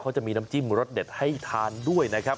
เขาจะมีน้ำจิ้มรสเด็ดให้ทานด้วยนะครับ